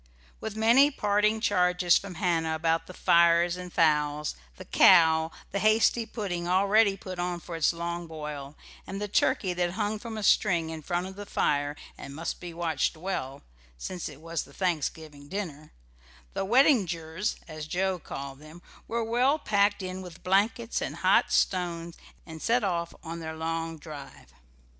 With many parting charges from Hannah about the fires and fowls, the cow, the hasty pudding, already put on for its long boil, and the turkey that hung from a string in front of the fire and must be watched well, since it was the Thanksgiving dinner, the "weddingers," as Joe called them, were well packed in with blankets and hot stones and set off on their long drive.